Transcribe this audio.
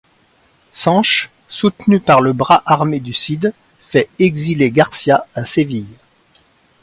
Sanche, soutenu par le bras armé du Cid, fait exiler Garcia à Séville.